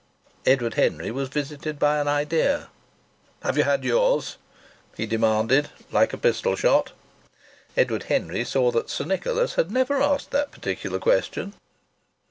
Edward Henry was visited by an idea. "Have you had yours?" he demanded like a pistol shot. Edward Henry saw that Sir Nicholas had never asked that particular question.